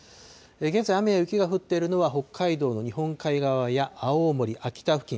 現在、雨や雪が降っているのは北海道の日本海側や青森、秋田付近。